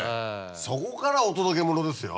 そこからお届けモノですよ